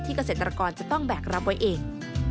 เกษตรกรจะต้องแบกรับไว้เอง